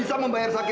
kamu memutuskan juga